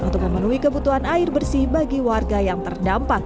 untuk memenuhi kebutuhan air bersih bagi warga yang terdampak